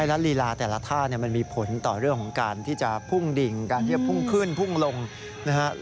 และลีลาแต่ละท่าเนี่ยมันมีผลต่อเรื่องของการที่จะพุ่งดิ่งการที่จะพุ่งขึ้นพุ่งลงนะฮะ